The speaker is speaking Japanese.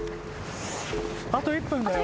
あと１分だよ。